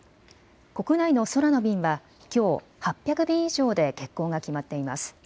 国内の空の便はきょう８００便以上で欠航が決まっています。